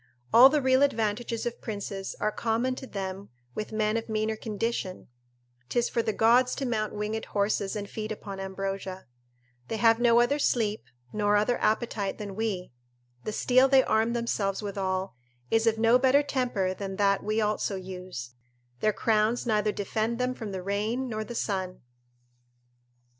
All the real advantages of princes are common to them with men of meaner condition ('tis for the gods to mount winged horses and feed upon ambrosia): they have no other sleep, nor other appetite than we; the steel they arm themselves withal is of no better temper than that we also use; their crowns neither defend them from the rain nor the sun.